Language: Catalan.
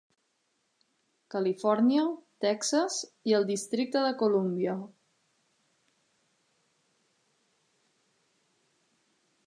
Califòrnia, Texas i el districte de Colúmbia.